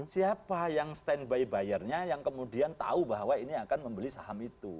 siapa yang stand by bayarnya yang kemudian tahu bahwa ini akan membeli saham itu